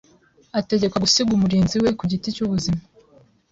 ategekwa gusiga umurinzi we ku giti cyubuzima